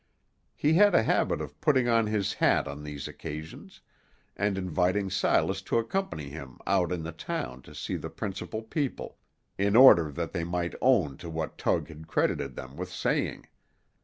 He had a habit of putting on his hat on these occasions, and inviting Silas to accompany him out in the town to see the principal people, in order that they might own to what Tug had credited them with saying.